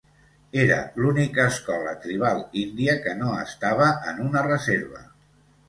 Era l'única escola tribal índia que no estava en una reserva.